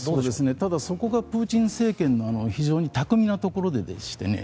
ただ、そこがプーチン政権の非常に巧みなところでしてね。